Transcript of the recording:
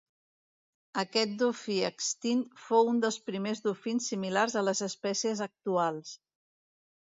Aquest dofí extint fou un dels primers dofins similars a les espècies actuals.